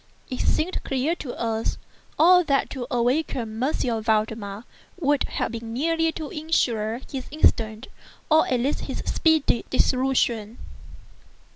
It seemed clear to us all that to awaken M. Valdemar would be merely to insure his instant, or at least his speedy, dissolution.